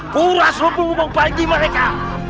kuras rumpung membagi mereka